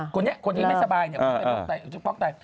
คนที่ไม่สบายเขาก็ไปฟอกไต